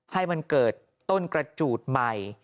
ให้มันเกิดต้นกระจูดใหม่